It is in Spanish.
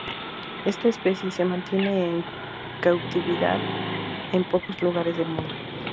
Esta especie se mantiene en cautividad en pocos lugares del mundo.